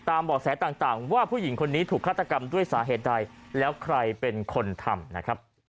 เบาะแสต่างว่าผู้หญิงคนนี้ถูกฆาตกรรมด้วยสาเหตุใดแล้วใครเป็นคนทำนะครับ